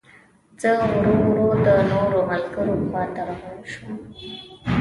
زه ورو ورو د نورو ملګرو خوا ته روان شوم.